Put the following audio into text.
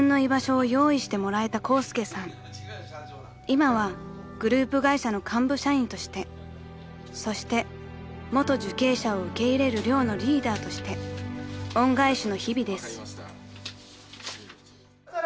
［今はグループ会社の幹部社員としてそして元受刑者を受け入れる寮のリーダーとして恩返しの日々です］